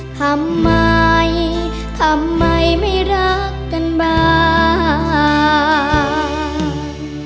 ทำไมทำไมไม่รักกันบ้าง